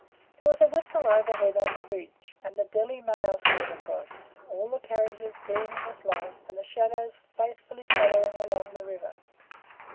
There was a whistle overhead on the bridge, and the Delhi Mail slid across, all the carriages gleaming with light, and the shadows faithfully following along the river.